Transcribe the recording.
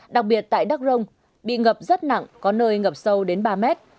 đặc biệt tại đắk rông bị ngập rất nặng có nơi ngập sâu đến ba mét